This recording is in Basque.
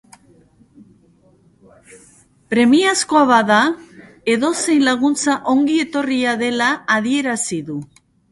Premiazkoa bada, edozein laguntza ongi etorria dela adierazi du.